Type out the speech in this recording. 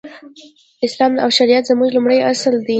اسلام او شريعت زموږ لومړی اصل دی.